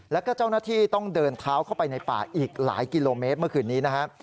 แล้วก็เจ้าหน้าที่ต้องเดินเท้าเข้าไปในป่าอีกหลายกิโลเมตรเมื่อคืนนี้นะครับ